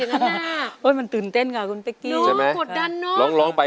ในนั้นนะ